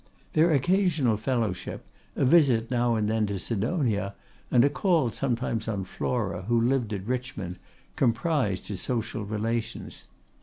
Their occasional fellowship, a visit now and then to Sidonia, and a call sometimes on Flora, who lived at Richmond, comprised his social relations.